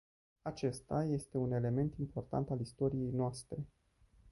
Acesta este un element important al istoriei noastre.